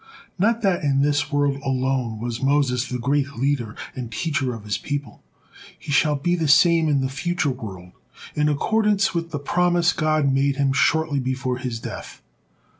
But not in this world alone was Moses the great leader and teacher of his people, he shall be the same in the future world, in accordance with the promise God made him shortly before his death.